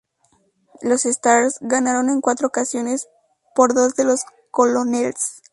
Los Stars ganaron en cuatro ocasiones, por dos de los Colonels.